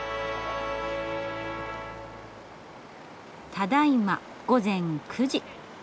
ただいま午前９時。